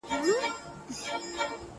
دا پنځلس کاله رسنیو کې فعالیت کوم